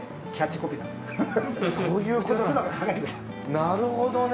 なるほどね。